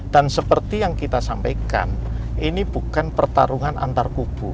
dan seperti yang kita sampaikan ini bukan pertarungan antar kubu